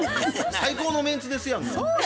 最高のメンツですやんか。